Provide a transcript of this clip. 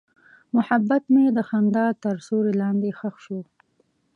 محبت مې د خندا تر سیوري لاندې ښخ شو.